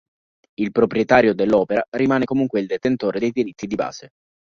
Il proprietario dell'opera rimane comunque il detentore dei diritti di base.